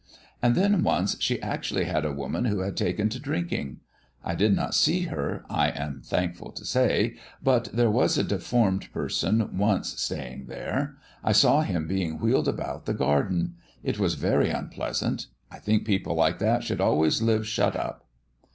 And then once she actually had a woman who had taken to drinking. I did not see her, I am thankful to say, but there was a deformed person once staying there, I saw him being wheeled about the garden. It was very unpleasant. I think people like that should always live shut up."